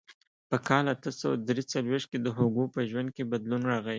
په کال اته سوه درې څلوېښت کې د هوګو په ژوند کې بدلون راغی.